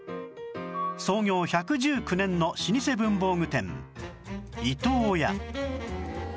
創業１１９年の老舗文房具店伊東屋